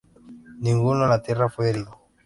Ninguno en la tierra fue herido.